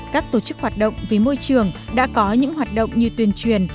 các tổ chức hoạt động vì môi trường đã có những hoạt động như tuyên truyền